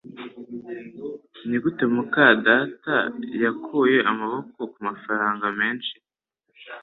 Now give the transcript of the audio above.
Nigute muka data yakuye amaboko kumafaranga menshi?